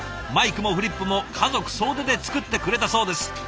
マイクもフリップも家族総出で作ってくれたそうです。